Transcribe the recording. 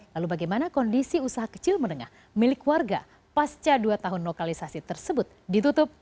lalu bagaimana kondisi usaha kecil menengah milik warga pasca dua tahun lokalisasi tersebut ditutup